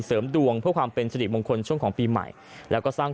เสริมดวงเพื่อความเป็นสิริมงคลช่วงของปีใหม่แล้วก็สร้าง